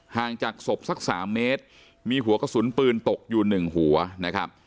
ห่างจากศพสักสามเมตรมีหัวกระสุนปืนตกอยู่หนึ่งหัวนะครับ